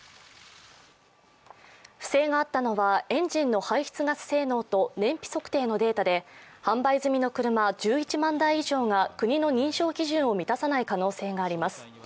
不正があったのは、エンジンの排出ガス性能と燃費測定のデータで販売済みの車、１１万台以上が国の認証基準を満たさない可能性があります。